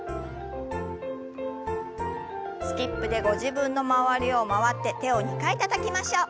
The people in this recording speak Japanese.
スキップでご自分の周りを回って手を２回たたきましょう。